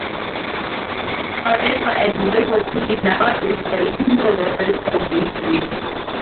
However, and more importantly nowadays, the ratings have varied from week to week.